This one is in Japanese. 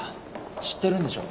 知ってるんでしょ？